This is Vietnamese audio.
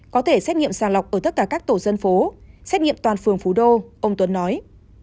có thể xét nghiệm sàng lọc ở tất cả các tổ dân phố xét nghiệm toàn phường phú đô ông tuấn nói